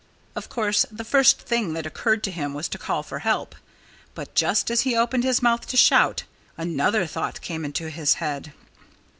Of course, the first thing that occurred to him was to call for help. But just as he opened his mouth to shout, another thought came into his head.